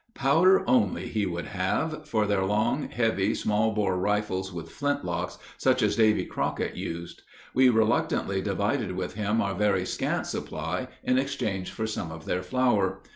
Powder only he would have for their long, heavy small bore rifles with flintlocks, such as Davy Crockett used. We reluctantly divided with him our very scant supply in exchange for some of their flour.